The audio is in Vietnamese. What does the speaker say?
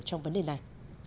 trong vấn đề này